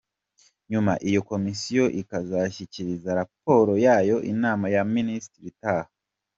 Nyuma iyo komisiyo ikazashyikiriza raporo yayo inama y’abaminisitiri itaha.